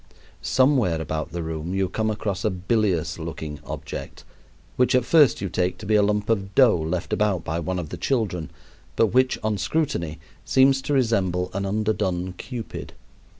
Somewhere about the room you come across a bilious looking object, which at first you take to be a lump of dough left about by one of the children, but which on scrutiny seems to resemble an underdone cupid.